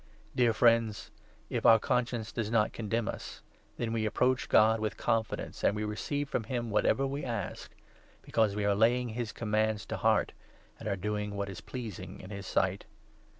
Dear friends, if our 21 conscience does not condemn us, then we approach God with confidence, and we receive from him whatever we ask, because 22 we are laying his commands to heart, and are doing what is pleasing in his sight.